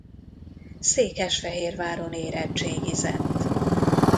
Székesfehérváron érettségizett.